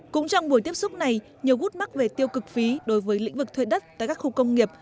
cũng trong buổi tiếp xúc này nhiều gút mắc về tiêu cực phí đối với lĩnh vực thuê đất tại các khu công nghiệp